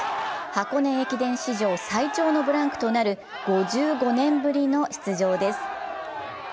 箱根駅伝史上最長のブランクとなる５５年ぶりの出場です。